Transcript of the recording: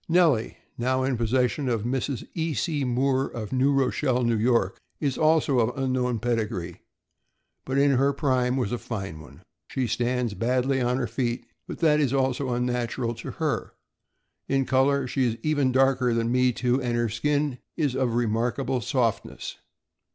Nellie (6076), now in possession of Mrs. E. C. Moore, of New Rochelle, N. Y., is also of unknown pedigree, but in her prime was a fine one. She stands badly on her feet, but that is also unnatural to her. In color she is even darker than Me Too, and her skin is of remarkable softness.